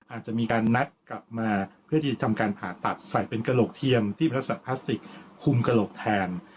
อาจจะมีการนัดกลับมาเพื่อที่จะทำการผ่าตัดใส่เป็นกระโหลกเทียมที่พระสัตวพลาสติกคุมกระโหลกแทน